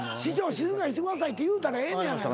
静かにしてくださいって言うたらええねやないか。